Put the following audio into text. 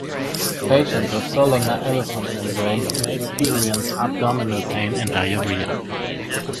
Patients with Zollinger-Ellison syndrome may experience abdominal pain and diarrhea.